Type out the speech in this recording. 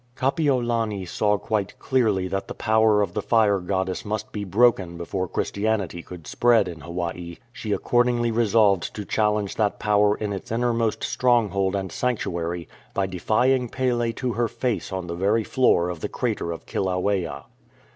Kapiolani saw quite clearly that the power of the fire goddess must be broken before Christianity could spread in Hawaii. She accordingly resolved to challenge that power in its innermost stronghold and sanctuary, by defying Pele to her face on the very floor of the crater of Kilauea.